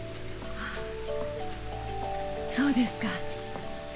あそうですか。